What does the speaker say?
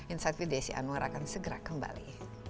insight with desi anwar akan segera kembali